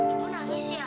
ibu nangis ya